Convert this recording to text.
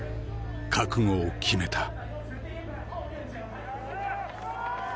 覚悟を決めた。